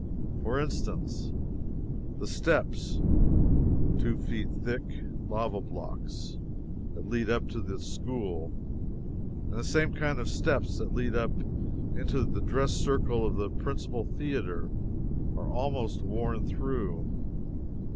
For instance: The steps (two feet thick lava blocks) that lead up out of the school, and the same kind of steps that lead up into the dress circle of the principal theatre, are almost worn through!